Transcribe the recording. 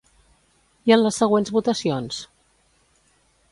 I en les següents votacions?